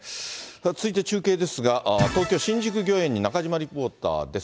続いて中継ですが、東京・新宿御苑に中島リポーターです。